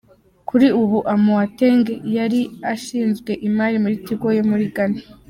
Kuri ubu Amoateng yari ashinzwe imari muri Tigo yo muri Ghana.